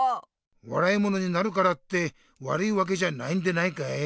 わらいものになるからってわるいわけじゃないんでないかい？